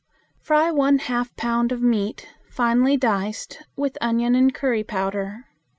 Fry one half pound of meat, finely diced, with onion and curry powder.